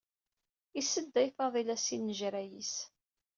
Isedday Faḍil asinjerray-is.